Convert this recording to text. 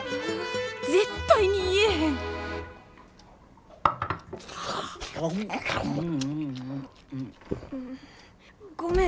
絶対に言えへんごめん